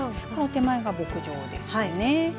手前が牧場ですね。